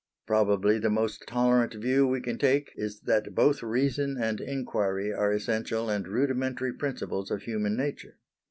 Probably the most tolerant view we can take, is that both reason and enquiry are essential and rudimentary principles of human nature.